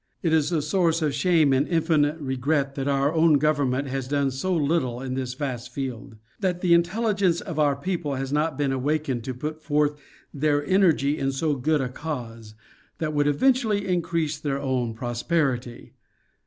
It is a source of shame and infinite regret that our own government has done so little in this vast field: that the intelligence of our people has not been awakened to put forth their energy in so good a cause, that would eventually increase their own prosperity.